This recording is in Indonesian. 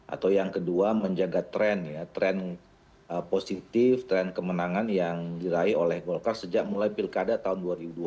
atau yang kedua menjaga tren ya tren positif tren kemenangan yang diraih oleh golkar sejak mulai pilkada tahun dua ribu dua puluh